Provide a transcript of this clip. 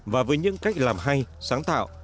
và với những cách làm hay sáng tạo